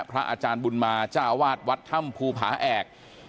พระอาจารย์บุญมาเจ้าวาดวัดถ้ำภูผาแอก